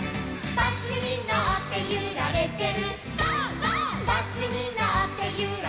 「バスにのってゆられてる」